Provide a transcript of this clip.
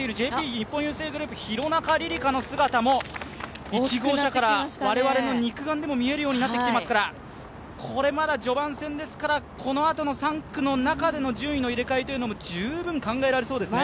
日本郵政グループ廣中璃梨佳の姿も１号車から我々の肉眼でも見えるようになってきてますから、これはまだ序盤戦ですから、このあとの３区からも順位の入れ替えは十分ありえますね。